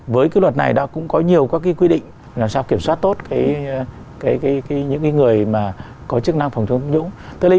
với cái luật này đó cũng có nhiều các quy định làm sao kiểm soát tốt những người có chức năng phòng chống tham nhũng